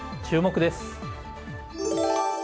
注目です。